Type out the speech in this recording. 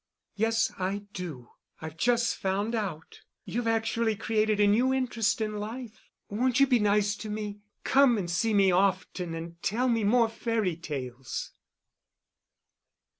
"Yes, I do. I've just found out. You've actually created a new interest in life. Won't you be nice to me? Come and see me often and tell me more fairy tales."